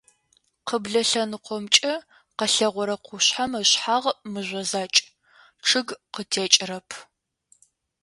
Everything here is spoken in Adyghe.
Къыблэ лъэныкъомкӏэ къэлъэгъорэ къушъхьэм ышъхьагъ мыжъо закӏ, чъыг къытекӏэрэп.